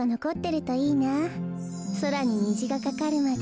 そらににじがかかるまで。